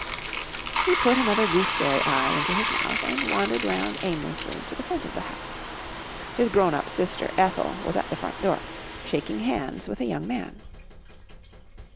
He put another Gooseberry Eye into his mouth and wandered round aimlessly to the front of the house. His grown up sister, Ethel, was at the front door, shaking hands with a young man.